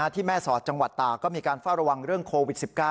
ที่แม่สอดจังหวัดตาก็มีการเฝ้าระวังเรื่องโควิด๑๙